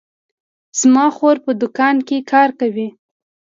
زما خور په دوکان کې کار کوي